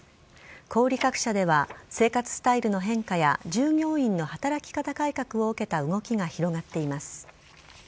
小売各社では生活スタイルの変化や従業員の働き方改革を受けた動きが広がっています。